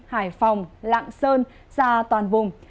hải phòng lạng sơn ra toàn vùng